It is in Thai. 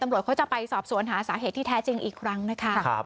เขาจะไปสอบสวนหาสาเหตุที่แท้จริงอีกครั้งนะคะ